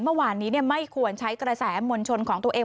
เมื่อวานนี้ไม่ควรใช้กระแสมวลชนของตัวเอง